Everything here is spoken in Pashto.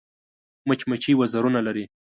مچمچۍ وزرونه لري